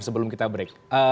sebelum kita break